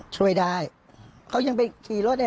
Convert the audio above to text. ช่วยได้เขายังไปขี่รถไป